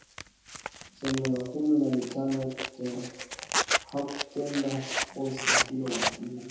cha miaka kumi na mitano hakutenda kosa hilo lakini